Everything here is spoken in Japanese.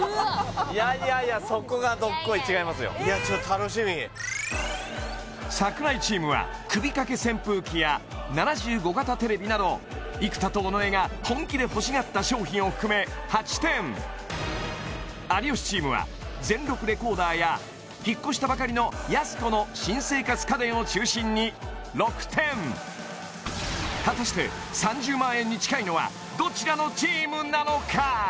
いやいやいやいやちょっと櫻井チームは首かけ扇風機や７５型テレビなど生田と尾上が本気で欲しがった商品を含め８点有吉チームは全録レコーダーや引っ越したばかりのやす子の新生活家電を中心に６点果たして３０万円に近いのはどちらのチームなのか？